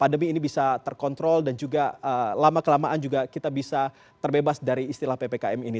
pandemi ini bisa terkontrol dan juga lama kelamaan juga kita bisa terbebas dari istilah ppkm ini